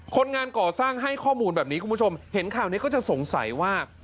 คนงานก่อสร้างให้ข้อมูลแบบนี้คุณผู้ชมเห็นข่าวนี้ก็จะสงสัยว่า